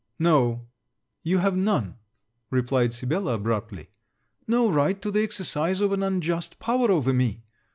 'No, you have none!' replied Sibella, abruptly: 'No right to the exercise of an unjust power over me!